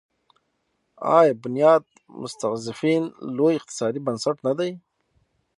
آیا بنیاد مستضعفین لوی اقتصادي بنسټ نه دی؟